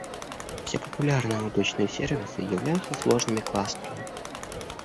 Все популярные облачные сервисы являются сложными кластерами.